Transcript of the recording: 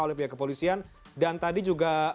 oleh pihak kepolisian dan tadi juga